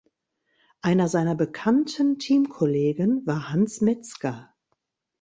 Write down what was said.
Einer seiner bekannten Teamkollegen war Hans Mezger.